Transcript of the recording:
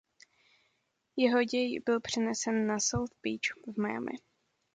Jeho děj byl přenesen na South Beach v Miami.